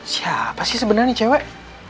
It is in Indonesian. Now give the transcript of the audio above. siapa sih sebenarnya ini cewek